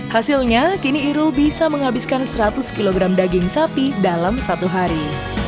hasilnya kini irul bisa menghabiskan seratus kg daging sapi dalam satu hari